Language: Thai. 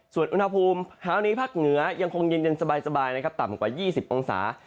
ส่วนอุณหภูมิเช้านี้ภาคเหนือยังคงเย็นสบายนะครับต่ำกว่า๒๐องศา